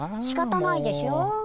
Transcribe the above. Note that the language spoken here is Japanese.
しかたないでしょ。